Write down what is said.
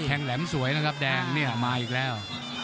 แทงแหลมสวยนะครับแดงอันนี้อันมาอีกแล้ว